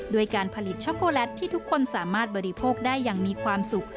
ด้วยการผลิตช็อกโกแลตที่ทุกคนสามารถบริโภคได้อย่างมีความสุข